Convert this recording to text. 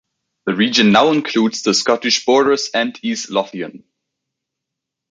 The region now includes the Scottish Borders and East Lothian.